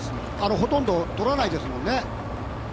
ほとんど給水を取らないですもんね。